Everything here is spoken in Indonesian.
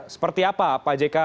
seperti apa pak jk